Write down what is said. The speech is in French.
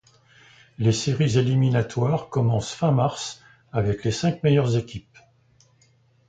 Les séries éliminatoires commencent fin mars, avec les cinq meilleures équipes.